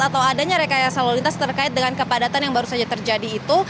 atau adanya rekayasa lalu lintas terkait dengan kepadatan yang baru saja terjadi itu